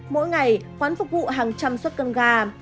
mỗi ngày quán phục vụ hàng trăm suất cơm gà